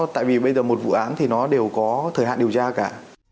tại vì bây giờ một vụ án thì nó đều có thời hạn điều tra cả